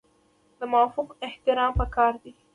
د مافوق احترام پکار دی